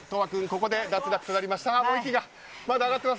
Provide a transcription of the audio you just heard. ここで脱落となりました。